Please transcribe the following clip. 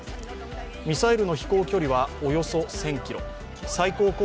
ミサイルの飛行距離はおよそ１０００ｋｍ。